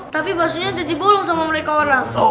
tapi bakso nya jadi bolong sama mereka orang